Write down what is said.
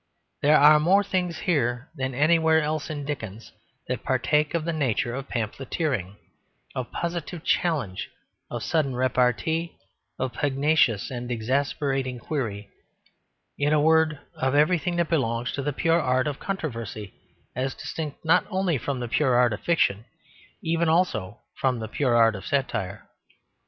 There are more things here than anywhere else in Dickens that partake of the nature of pamphleteering, of positive challenge, of sudden repartee, of pugnacious and exasperating query, in a word of everything that belongs to the pure art of controversy as distinct not only from the pure art of fiction but even also from the pure art of satire.